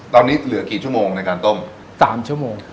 ตอนนี้เหลือกี่ชั่วโมงในการต้ม๓ชั่วโมง